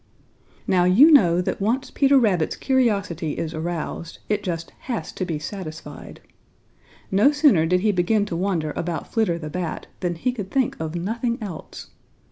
Now you know that once Peter Rabbit's curiosity is aroused, it just has to be satisfied. No sooner did he begin to wonder about Flitter the Bat than he could think of nothing else.